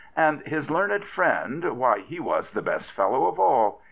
And his learned friend — why, he was the best fellow of all!